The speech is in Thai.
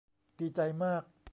ดีใจมาก